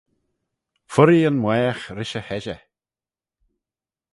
Furree yn mwaagh rish e heshey